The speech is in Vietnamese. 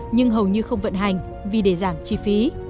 nhưng hầu như không vận hành vì để giảm chi phí